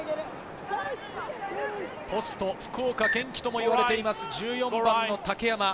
ポスト福岡堅樹とも呼ばれています、１４番の竹山。